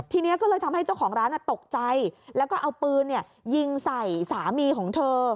ทีนี้ก็เลยทำให้เจ้าของร้านตกใจแล้วก็เอาปืนยิงใส่สามีของเธอ